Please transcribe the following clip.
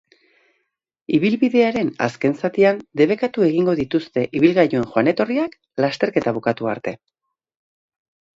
Ibilbidearen azken zatian debekatu egingo dituzte ibilgailuen joan-etorriak, lasterketa bukatu arte.